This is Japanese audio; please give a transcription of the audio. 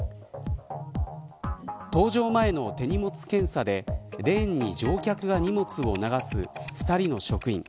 搭乗前の手荷物検査でレーンに乗客が荷物を流す２人の職員。